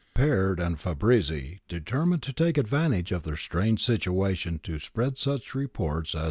^ Peard and Fabrizi determined to take advantage of their strange situation to spread such reports as would ^ Franci, i.